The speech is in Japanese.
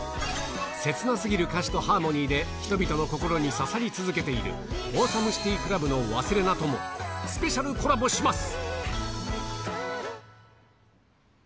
切なすぎる歌詞とハーモニーで人々の心に刺さり続けているＡｗｅｓｏｍｅＣｉｔｙＣｌｕｂの勿忘ともスペシャルコラボします。